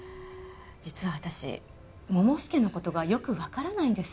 実は私桃介の事がよくわからないんです。